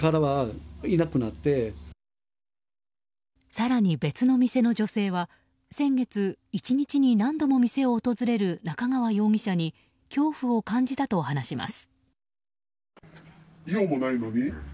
更に別の店の女性は先月、１日に何度も店を訪れる中川容疑者に恐怖を感じたといいます。